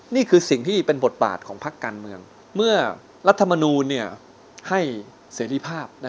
นี่คือสิ่งที่เป็นบทบาทของพักการเมืองเมื่อรัฐมนูลให้เสรีภาพ